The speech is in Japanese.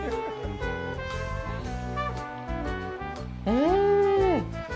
うん！